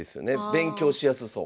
勉強しやすそう。